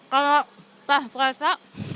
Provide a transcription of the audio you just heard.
kalau pas puasa